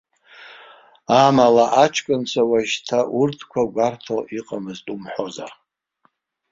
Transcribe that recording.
Амала, аҷкәынцәа уажәшьҭа урҭқәа гәарҭо иҟамызт умҳәозар.